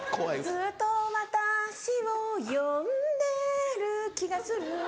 ずっと私を呼んでる気がする